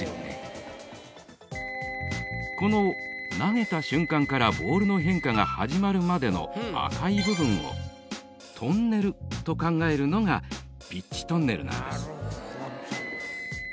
［この投げた瞬間からボールの変化が始まるまでの赤い部分をトンネルと考えるのがピッチトンネルなんです］